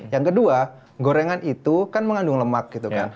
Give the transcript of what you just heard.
yang kedua gorengan itu kan mengandung lemak gitu kan